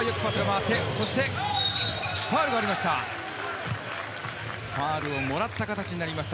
ファウルがありました。